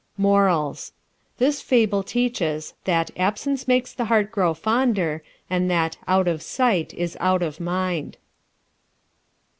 MORALS: This Fable teaches that Absence Makes the Heart Grow Fonder, and that Out of Sight is Out of Mind.